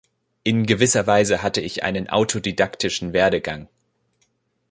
In gewisser Weise hatte ich einen autodidaktischen Werdegang.